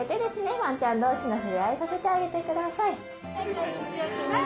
ワンちゃん同士の触れ合いさせてあげてください。